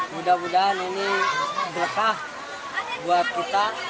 mudah mudahan ini berkah buat kita